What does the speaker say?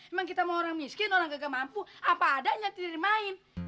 emang kita mau orang miskin orang gak mampu apa adanya tidak dimain